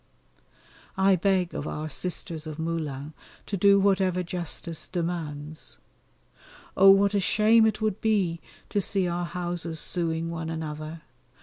I beg of our Sisters of Moulins to do whatever justice demands. Oh! what a shame it would be to see our houses sueing one another!